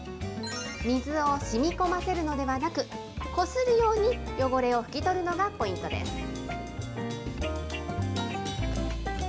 水をしみこませるのではなく、こするように汚れを拭き取るのがポイントです。